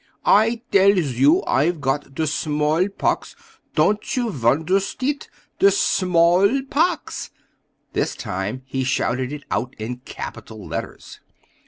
"I dells you I'fe got der small pox. Ton't you versteh? der SMALL POX!" This time he shouted it out in capital letters!